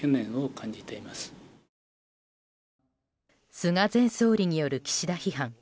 菅前総理による岸田批判。